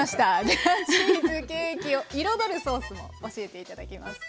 ではチーズケーキを彩るソースも教えて頂きます。